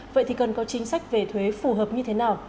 vậy thì cần có chính sách về thuế phù hợp như thế nào